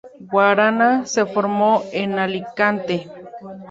Guaraná se formó en Alicante.